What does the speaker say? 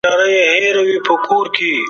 دا زړه نـه لري يــارانـو